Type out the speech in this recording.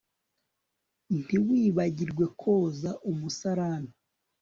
Ntiwibagirwe koza umusarani